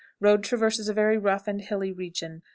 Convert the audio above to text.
Road traverses a very rough and hilly region.